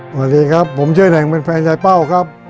สวัสดีครับผมชื่อแหล่งเป็นแฟนชายเป้าครับ